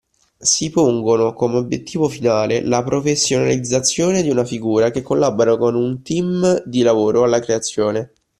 Si pongono come obiettivo finale la professionalizzazione di una figura che collabora con un team di lavoro alla creazione